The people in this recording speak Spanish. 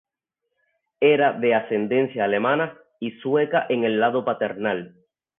Era de ascendencia alemana y sueca en el lado paternal.